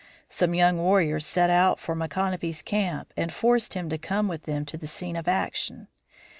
Some young warriors set out for Micanopy's camp and forced him to come with them to the scene of action.